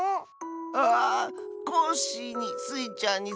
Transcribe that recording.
ああコッシーにスイちゃんにサボさん。